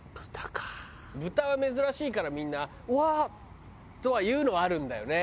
豚は珍しいからみんなうわー！とはいうのはあるんだよね